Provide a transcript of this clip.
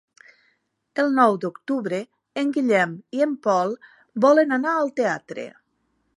El nou d'octubre en Guillem i en Pol volen anar al teatre.